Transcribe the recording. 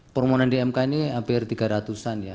permohonan di mk ini hampir tiga ratus an ya